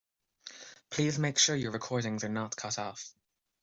Please make sure your recordings are not cut off.